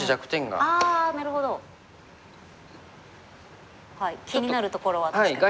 気になるところは。